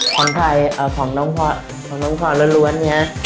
ของใครของน้องพ่อของน้องพ่อล้วนเนี่ย